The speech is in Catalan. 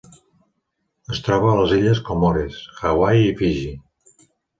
Es troba a les illes Comores, Hawaii i Fiji.